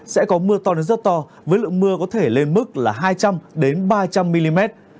sẽ có mưa to đến rất to với lượng mưa có thể lên mức là hai trăm linh ba trăm linh mm